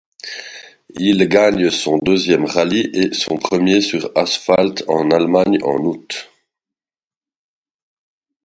Il gagne son deuxième rallye, et son premier sur asphalte, en Allemagne, en août.